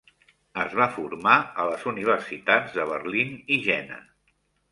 Es va formar a les universitats de Berlín i Jena.